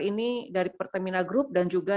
ini dari pertamina group dan juga